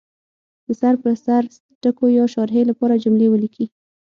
د سر په سر ټکو یا شارحې لپاره جمله ولیکي.